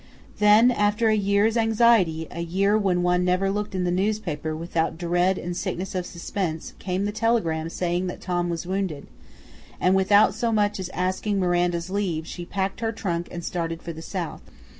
Then after a year's anxiety, a year when one never looked in the newspaper without dread and sickness of suspense, came the telegram saying that Tom was wounded; and without so much as asking Miranda's leave, she packed her trunk and started for the South.